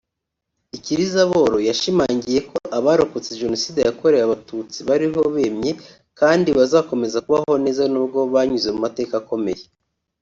Ikirizaboro yashimangiye ko abarokotse Jenoside yakorewe Abatutsi bariho bemye kandi bazakomeza kubaho neza nubwo banyuze mu mateka akomeye